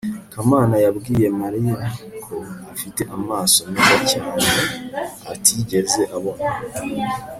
kamana yabwiye mariya ko afite amaso meza cyane atigeze abona